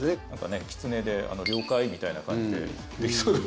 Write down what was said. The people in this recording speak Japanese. キツネで「了解」みたいな感じでできそう。